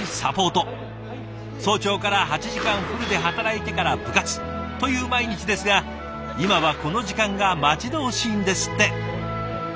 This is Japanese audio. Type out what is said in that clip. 早朝から８時間フルで働いてから部活という毎日ですが今はこの時間が待ち遠しいんですって。